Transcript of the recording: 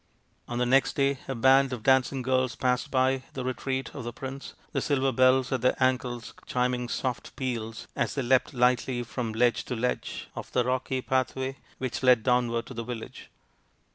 On the next day a band of dancing girls passed by the retreat of the prince, the silver bells at their ankles chiming soft peals as they leapt lightly from ledge to ledge of the rocky pathway which led downward to the village.